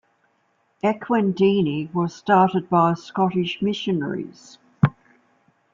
Ekwendeni was started by Scottish missionaries.